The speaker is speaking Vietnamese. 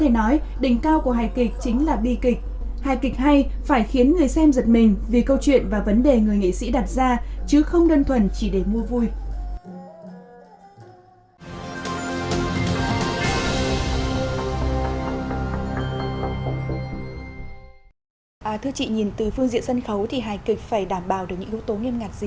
hài kịch chính là bi kịch hài kịch hay phải khiến người xem giật mình vì câu chuyện và vấn đề người nghệ sĩ đặt ra chứ không đơn thuần chỉ để mua vui